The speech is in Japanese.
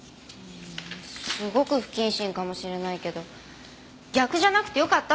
すごく不謹慎かもしれないけど逆じゃなくてよかったって思っちゃいました。